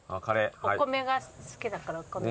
お米が好きだから。